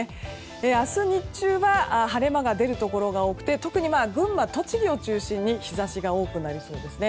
明日日中は晴れ間が出るところが多くて特に群馬、栃木を中心に日差しが多くなりそうですね。